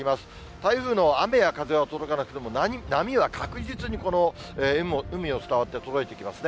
台風の雨や風は届かなくても波は確実に海を伝わって届いてきますね。